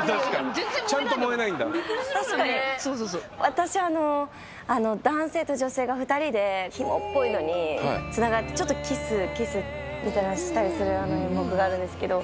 私男性と女性が２人でひもっぽいのにつながってキスしたりするような演目があるんですけど。